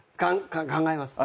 考えます。